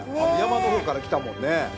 山の方から来たもんね。